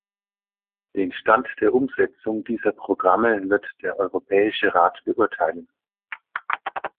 Den Stand der Umsetzung dieser Programme wird der Europäische Rat beurteilen.